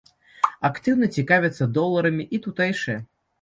Актыўна цікавяцца доларамі і тутэйшыя.